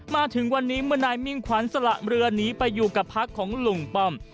มาถึงวันนี้เมื่อนายมิ่งขวัญสละเรือหนีไปอยู่กับพักของลุงป้อม